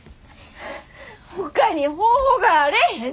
ほかに方法があれへんねん！